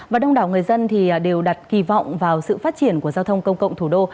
và đông đảo người dân đều đặt kỳ vọng vào sự phát triển của giao thông công cộng thủ đô